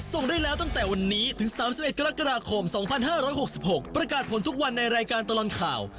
ส่งได้แล้วตั้งแต่วันนี้ถึง๓๑กรกฎาคม๒๕๖๖ประกาศผลทุกวันในรายการตลอดข่าว